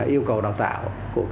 yêu cầu đào tạo của